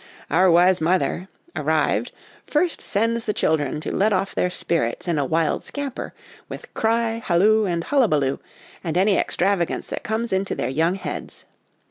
Our wise mother, arrived, first sends the children to let off their spirits in a wild scamper, with cry, halloo, and hullaballoo, and any extravagance that comes into their young heads.